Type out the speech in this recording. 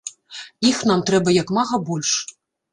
Іх нам трэба як мага больш.